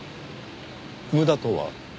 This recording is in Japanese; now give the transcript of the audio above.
無駄とは？